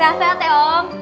sehat sehat ya om